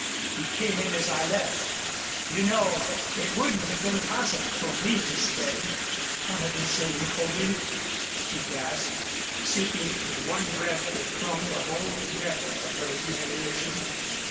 "He came in as I left. You know it wouldn't have been possible for me to stay." "What are they saying, Coley?" she gasped, seeking in one breath to plumb the whole depth of her humiliation.